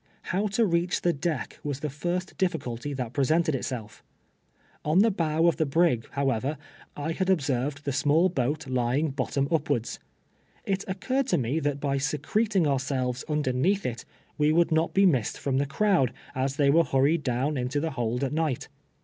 How to reach tho deck M'as the first dithcidty that presented itself. On the bow of the bi'ig, however, I had observed the small 1)oat lying bottom upwards. It occurred to me that by secreting ourselves underneath it, we would not be missed from the crowd, as they were hun ied down into the liold at night.